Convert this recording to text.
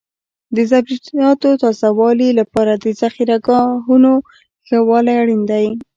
د سبزیجاتو تازه والي لپاره د ذخیره ګاهونو ښه والی اړین دی.